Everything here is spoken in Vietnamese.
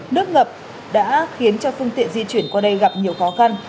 nước ngập đã khiến cho phương tiện di chuyển qua đây gặp nhiều khó khăn